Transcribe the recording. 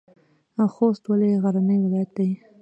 خوست ولې غرنی ولایت دی؟